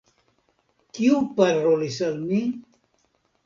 Kiu parolis al mi?